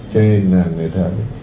thế thì người ta ngoại suy ra rằng